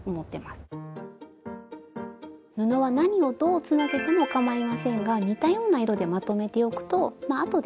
スタジオ布は何をどうつなげてもかまいませんが似たような色でまとめておくとあとで使いやすいですね。